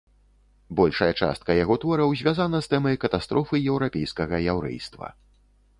Большая частка яго твораў звязана з тэмай катастрофы еўрапейскага яўрэйства.